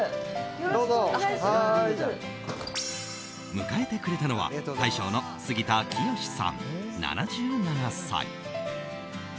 迎えてくれたのは大将の杉田清さん、７７歳。